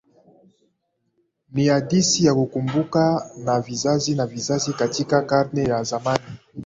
Ni hadithi ya kukumbukwa na vizazi na vizazi Katika Karne ya zamani